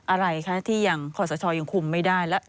อะไรคะที่ยังขอสชยังคุมไม่ได้แล้ว